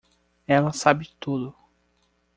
Ela sabe tudo.